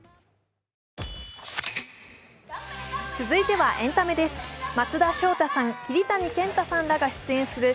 続いてはエンタメです。